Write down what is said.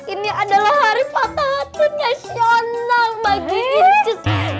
ini adalah hari patahatun nasional bagi inces